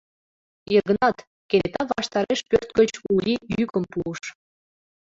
— Йыгнат! — кенета ваштареш пӧрт гыч Ули йӱкым пуыш.